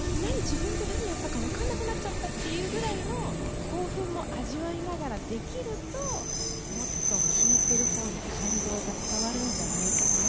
自分で何やったかわかんなくなっちゃったっていうぐらいの興奮も味わいながらできるともっと聴いてる方に感動が伝わるんじゃないかな。